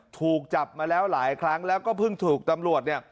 ถูกจับมาแล้วหลายครั้งแล้วก็เพิ่งถูกตำรวจเนี่ย